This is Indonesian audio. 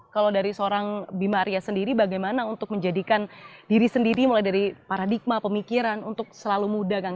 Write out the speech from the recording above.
kalau dari seorang bima arya sendiri bagaimana untuk menjadikan diri sendiri mulai dari paradigma pemikiran untuk selalu muda kan